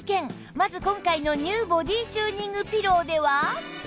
まず今回の ＮＥＷ ボディチューニングピローでは